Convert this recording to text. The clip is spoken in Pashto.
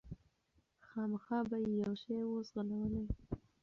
خامخا به یې یو شی وو ځغلولی